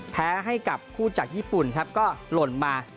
แพ้ให้กับคู่จากญี่ปุ่นครับก็หล่นมา